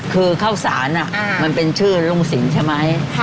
คือข้าวสารเป็นชื่อลุ่งสินใช่มั้ย